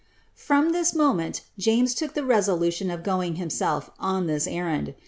S40 From this moment, James took the resolution of going himself on this emnd.